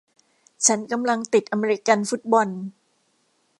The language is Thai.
ฉันกำลังติดอเมริกันฟุตบอล